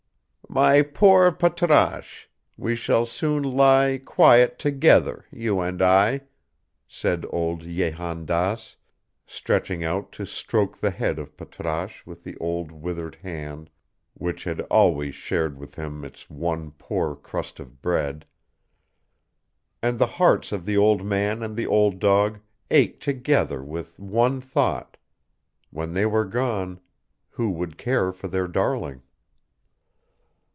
"My poor Patrasche, we shall soon lie quiet together, you and I," said old Jehan Daas, stretching out to stroke the head of Patrasche with the old withered hand which had always shared with him its one poor crust of bread; and the hearts of the old man and the old dog ached together with one thought: When they were gone, who would care for their darling?